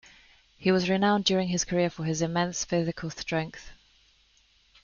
He was renowned during his career for his immense physical strength.